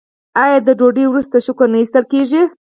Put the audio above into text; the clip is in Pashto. آیا د ډوډۍ وروسته شکر نه ایستل کیږي؟